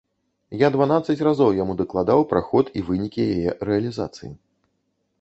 Я дванаццаць разоў яму дакладаў пра ход і вынікі яе рэалізацыі.